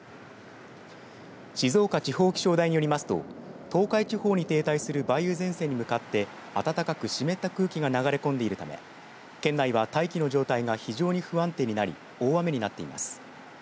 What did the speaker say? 静岡地方気象台によりますと東海地方に停滞する梅雨前線に向かって暖かく湿った空気が流れ込んでいるため県内は大気の状態が非常に不安定になり大雨になっています。